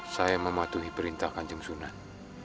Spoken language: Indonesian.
saya mematuhi perintah kanjeng sunan